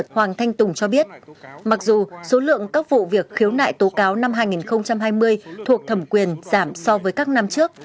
hoàng thanh tùng cho biết mặc dù số lượng các vụ việc khiếu nại tố cáo năm hai nghìn hai mươi thuộc thẩm quyền giảm so với các năm trước